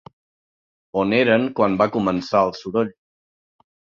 On eren quan va començar el soroll.